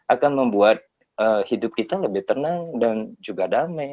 akan membuat hidup kita lebih tenang dan juga damai